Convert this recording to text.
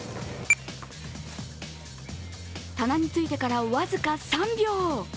棚についてから僅か３秒。